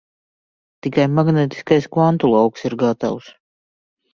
Tikai magnētiskais kvantu lauks ir gatavs.